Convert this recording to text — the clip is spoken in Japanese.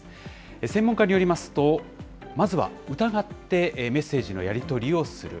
専門家によりますと、まずは疑ってメッセージのやり取りをする。